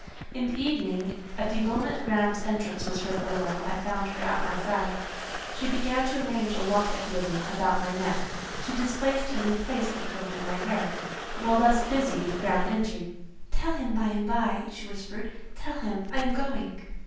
In the evening, at the moment Graham's entrance was heard below, I found her at my side. She began to arrange a locket ribbon about my neck, she displaced and replaced the comb in my hair; while thus busied, Graham entered. "Tell him by and by," she whispered; "tell him I am going."